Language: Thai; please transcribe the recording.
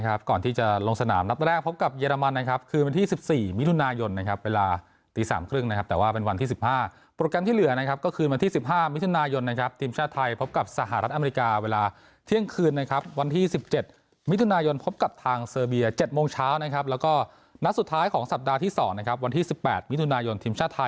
อาจแบบความละเอียดเล็กน้อยอย่างนี้ค่ะแต่เราก็จะไปปรับปรุง